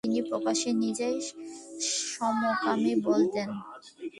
তিনি প্রকাশ্যে নিজেকে সমকামী বলতেন।